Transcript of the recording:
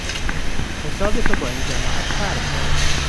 حساب تو با این جماعت فرق داره